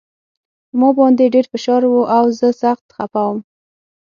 په ما باندې ډېر فشار و او زه سخت خپه وم